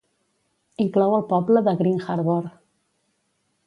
Inclou el poble de Green Harbor.